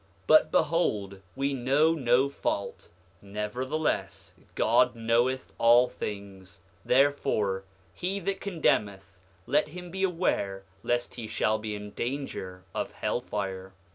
But behold, we know no fault; nevertheless God knoweth all things; therefore, he that condemneth, let him be aware lest he shall be in danger of hell fire.